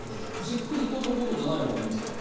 じっくりコトコトじゃない方がいいんですか？